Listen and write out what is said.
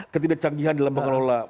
ketidakcanggihan di dalam mengelola